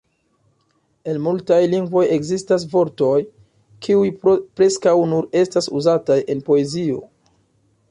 En multaj lingvoj ekzistas vortoj, kiuj preskaŭ nur estas uzataj en poezio.